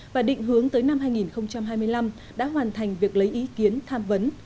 và định hướng tới năm hai nghìn hai mươi năm đã hoàn thành việc lấy ý kiến tham vấn